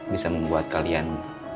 bisa membuat kalian